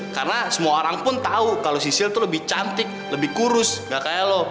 karena semua orang pun tau kalo sisil tuh lebih cantik lebih kurus gak kayak lo